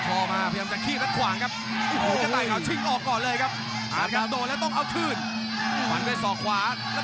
พยายามจะล็อคคลอมาพยายามจะขี้มัดขวางครับ